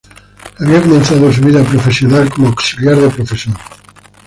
Había comenzado su vida profesional como auxiliar de profesor.